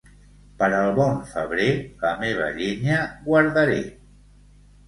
Per al bon febrer la meva llenya guardaré.